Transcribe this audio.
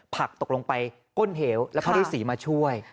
ผักตกลงไปก้นเหวแล้วพระฤาษีมาช่วย